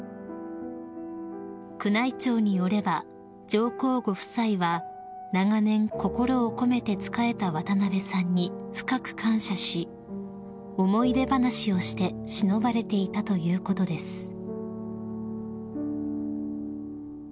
［宮内庁によれば上皇ご夫妻は長年心を込めて仕えた渡辺さんに深く感謝し思い出話をしてしのばれていたということです］